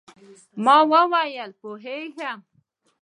ما وویل، پوهېږم.